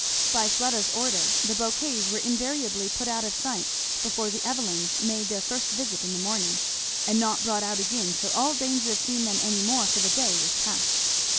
By Fleda's order the bouquets were invariably put out of sight before the Evelyns made their first visit in the morning, and not brought out again till all danger of seeing them any more for the day was past.